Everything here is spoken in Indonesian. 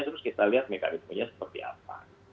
terus kita lihat mekanismenya seperti apa